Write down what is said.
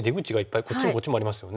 こっちもこっちもありますよね。